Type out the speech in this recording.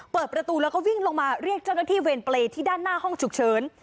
เปิดประตูแล้วก็วิ่งลงมาเรียกเจ้าหน้าที่เวรเปรย์ที่ด้านหน้าห้องฉุกเฉิน